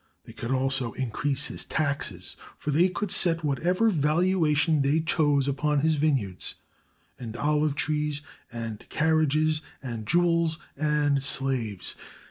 297 ROME They could also increase his taxes, for they could set whatever valuation they chose upon his vineyards and olive trees and carriages and jewels and slaves.